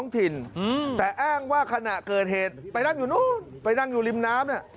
แต่อ้างว่าขณะเกิดเหตุไปนั่งอยู่นู้นไปนั่งอยู่ริมน้ำเนี่ย